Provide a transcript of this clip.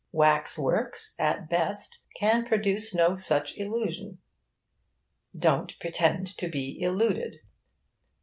Wax works, at best, can produce no such illusion. Don't pretend to be illuded.